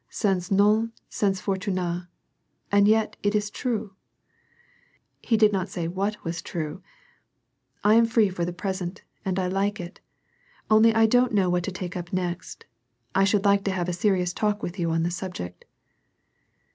"Sans nom, sans fortune. — And yet it is true." He did not say what was true. " I am free for the present, and I like it. ( hily I don't know what to take up next. I should like to have a serious talk with you on the subject."